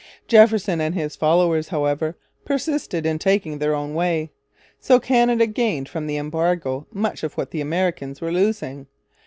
Jefferson and his followers, however, persisted in taking their own way. So Canada gained from the embargo much of what the Americans were losing.